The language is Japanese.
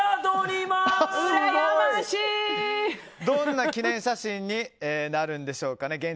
どんな記念写真になるんでしょうかね。